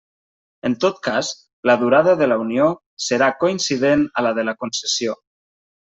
En tot cas, la durada de la unió serà coincident a la de la concessió.